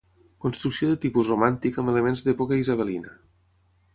Construcció de tipus romàntic amb elements d'època isabelina.